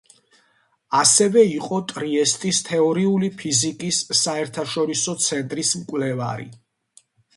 ასევე იყო ტრიესტის თეორიული ფიზიკის საერთაშორისო ცენტრის მკვლევარი.